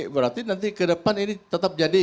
berarti nanti ke depan ini tetap jadi